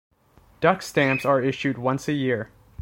Duck stamps are issued once a year.